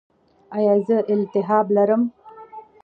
ایا زه التهاب لرم؟